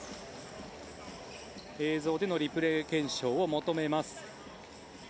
映像でのリプレー検証を求めます。